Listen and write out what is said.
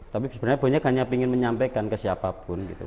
tapi sebenarnya banyak hanya ingin menyampaikan ke siapapun gitu